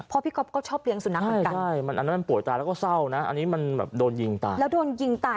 พ่อพี่ก็ชอบเลี้ยงสุดนักเหมือนกันใช่อันนั้นป่วยตายแล้วก็เศร้านะอันนี้มันโดนยิงตาย